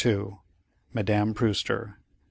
MADAME PREWSTER, No.